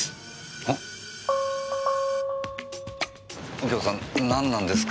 右京さん何なんですか？